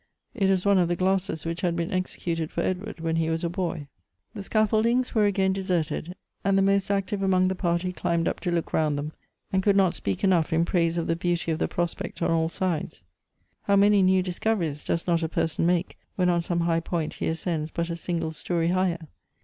It was one of the glasses which had been executed for Edward Avhen he was a boy. The scafibldings were again deserted, and the most active among the party climbed up to look round them, and could not speak enough in praise of the beauty of the prospect on all sides. How many new discoveries does not a person make when on some high point he ascends but a single story higher.